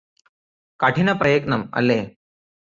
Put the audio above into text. കഠിനപ്രയത്നം അല്ലേ